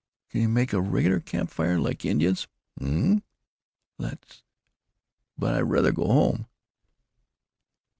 "Can you make a regular camp fire? Like Indians?" "Um huh." "Let's.... But I rather go home."